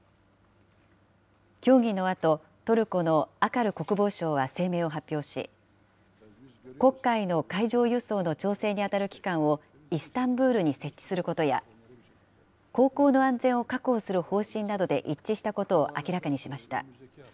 協議のあと、トルコのアカル国防相は声明を発表し、黒海の海上輸送の調整に当たる機関をイスタンブールに設置することや航行の安全を確保する方針などで一致したことを明らかにしました。